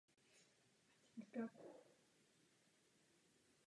Proto se fond soustředí na základní podporu v počátečních etapách mírového procesu.